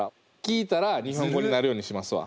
聴いたら日本語になるようにしますわ。